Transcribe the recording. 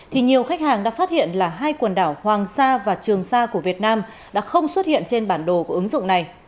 thì nhiều khách hàng đã phát hiện là hai quần đảo hoàng sa và trường sa của việt nam đã không xuất hiện trên bản đồ của ứng dụng này